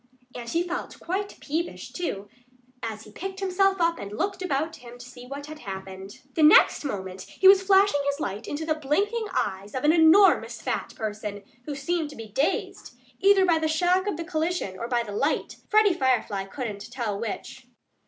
And he felt quite peevish, too, as he picked himself up and looked about him to see what had happened. The next moment he was flashing his light into the blinking eyes of an enormous fat person, who seemed to be dazed, either by the shock of the collision or by the light Freddie Firefly couldn't tell which.